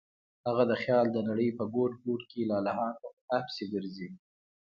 هغه د خیال د نړۍ په ګوټ ګوټ کې لالهانده په تا پسې ګرځي.